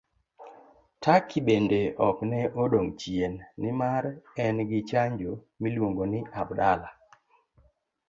Turkey bende ok ne odong' chien, nimar en gi chanjo miluongo ni Abdala.